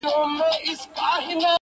و خوږ زړگي ته مي_